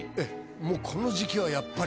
もうこの時期はやっぱり。